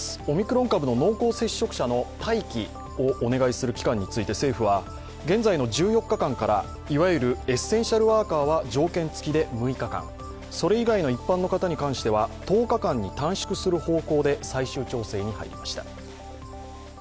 オミクロン株の濃厚接触者の待機をお願いする期間について政府は、現在の１４日間から、いわゆるエッセンシャルワーカーは条件付きで６日間、それ以外の一般の方については１０日間に短縮する方向で最終調整に入りました。